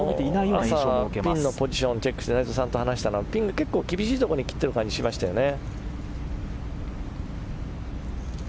朝、ピンのポジションをチェックして感じたのはピンが厳しいところに切っている感じがしましたよね。